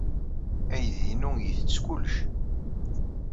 Aydi-inu yettett kullec.